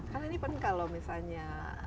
kan ini penkal loh misalnya